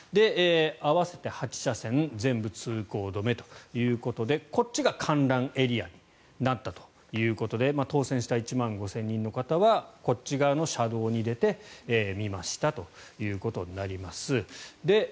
合わせて８車線全部通行止めということでこっちが観覧エリアになったということで当選した１万５０００人の方はこっち側の車道に出て見ましたということになります。